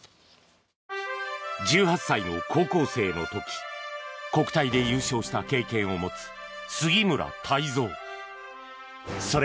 １８歳の高校生の時国体で優勝した経験を持つ杉村太蔵さん。